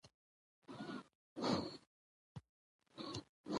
موږ باید له ستونزو زده کړه وکړو